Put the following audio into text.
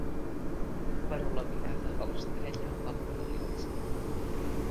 Però la mirada de l'estrella el paralitza.